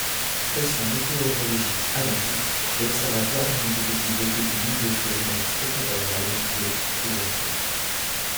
Station météorologique avant tout, l'observatoire n'était équipé que d'une modeste lunette équatoriale de d'ouverture.